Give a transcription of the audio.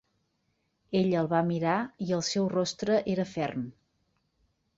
Ella el va mirar, i el seu rostre era ferm.